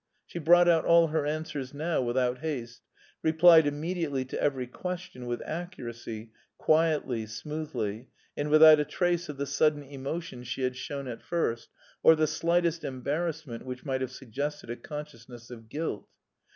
She brought out all her answers now without haste, replied immediately to every question with accuracy, quietly, smoothly, and without a trace of the sudden emotion she had shown at first, or the slightest embarrassment which might have suggested a consciousness of guilt.